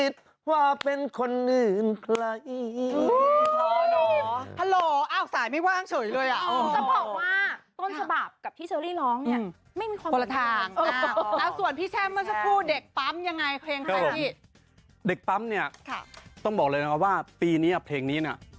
ค่ะรู้งานดนายค่ะฮ่าครับคิดไม่ถึงว่าจะได้คันนี้อ๋ออ่ะ